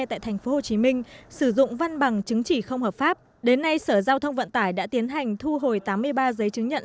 tại tp hcm sử dụng văn bằng chứng chỉ không hợp pháp đến nay sở giao thông vận tải đã tiến hành thu hồi tám mươi ba giấy chứng nhận